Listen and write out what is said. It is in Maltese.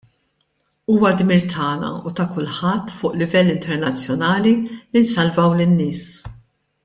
Huwa dmir tagħna u ta' kulħadd fuq livell internazzjonali li nsalvaw lin-nies.